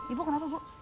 ibu kenapa bu